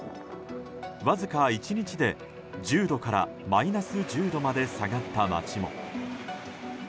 わずか１日で１０度からマイナス１０度まで下がった街も。